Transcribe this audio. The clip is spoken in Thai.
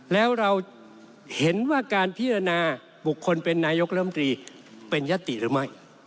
แล้วอะไรกันแน่คือยัตติ